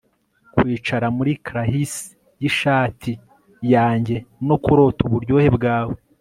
kwicara muri krahisi yishati yanjye, no kurota uburyohe bwawe